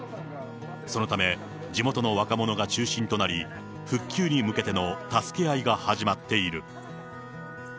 そのため、地元の若者が中心となり、復旧に向けての助け合いが始まっている。